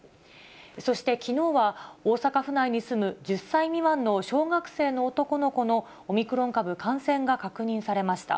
そしてきのうは、大阪府内に住む１０歳未満の小学生の男の子のオミクロン株感染が確認されました。